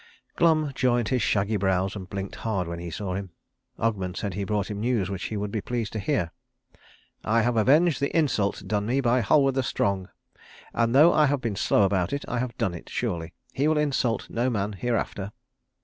Glum joined his shaggy brows and blinked hard when he saw him. Ogmund said he brought him news which he would be pleased to hear. "I have avenged the insult done me by Halward the Strong, and though I have been slow about it I have done it surely. He will insult no man hereafter."